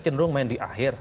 cenderung main di akhir